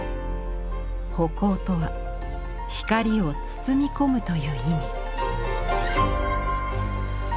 葆光とは「光を包み込む」という意味。